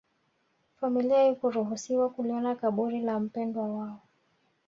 familia haikuruhusiwa kuliona kaburi la mpwendwa wao